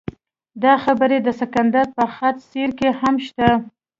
دا خبرې د سکندر په خط سیر کې هم شته.